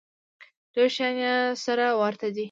ډېر شیان یې سره ورته دي.